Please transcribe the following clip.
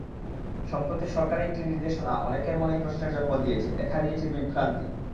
সম্প্রতি সরকারি একটি নির্দেশনা অনেকের মনেই প্রশ্নের জন্ম দিয়েছে, দেখা দিয়েছে বিভ্রান্তি।